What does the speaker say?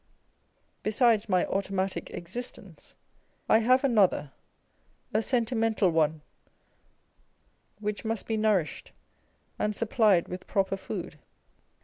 Besides my automatic existence, I have another, a sentimental one, which must be nourished and supplied with proper food.